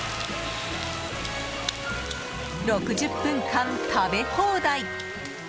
６０分間、食べ放題！